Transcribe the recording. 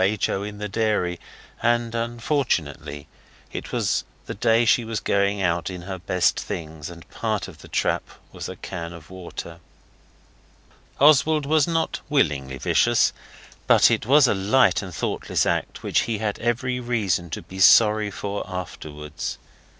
O. up in the dairy, and unfortunately it was the day she was going out in her best things, and part of the trap was a can of water. Oswald was not willingly vicious; it was but a light and thoughtless act which he had every reason to be sorry for afterwards.